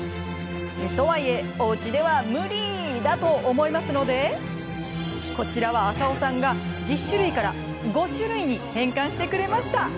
とはいえおうちでは無理だと思いますのでこちらは浅尾さんが１０種類から５種類に変換してくれました。